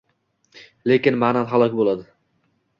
lekin ma’nan halok bo‘ladi.